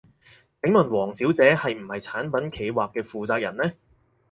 請問王小姐係唔係產品企劃嘅負責人呢？